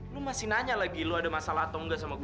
lu masih nanya lagi lo ada masalah atau enggak sama gue